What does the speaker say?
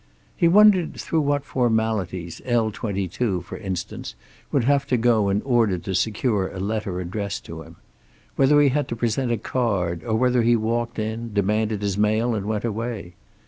He wondered through what formalities L 22, for instance, would have to go in order to secure a letter addressed to him? Whether he had to present a card or whether he walked in demanded his mail and went away.